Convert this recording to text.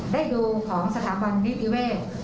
ได้ดูของสถาบันนิติเวศ